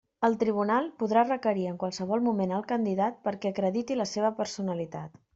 El tribunal podrà requerir en qualsevol moment el candidat perquè acredite la seua personalitat.